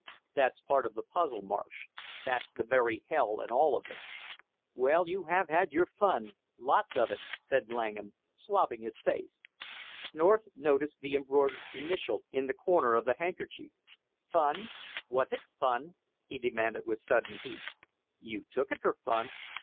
"That's part of the puzzle, Marsh, that's the very hell and all of it." "Well, you have had your fun lots of it!" said Langham, swabbing his face. North noticed the embroidered initial in the corner of the handkerchief. "Fun! Was it fun?" he demanded with sudden heat. "You took it for fun.